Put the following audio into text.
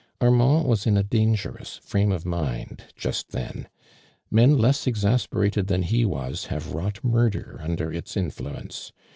Armand was in a dangerous i'rame of mind just then. Men less exasperated than he was, have wrought murder under its influence.